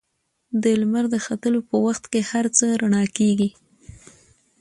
د لمر د ختلو په وخت کې هر څه رڼا کېږي.